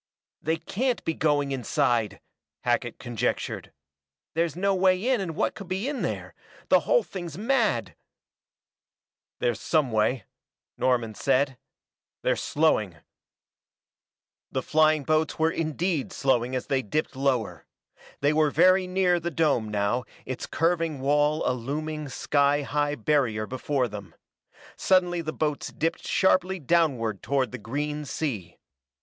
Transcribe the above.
"They can't be going inside!" Hackett conjectured. "There's no way in and what could be in there? The whole thing's mad " "There's some way," Norman said. "They're slowing " The flying boats were indeed slowing as they dipped lower. They were very near the dome now, its curving wall a looming, sky high barrier before them. Suddenly the boats dipped sharply downward toward the green sea.